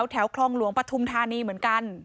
แถวคลองหลวงปฐุมธานีเหมือนกัน